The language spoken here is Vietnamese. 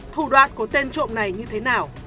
thủ đoạn của tên trộm này như thế nào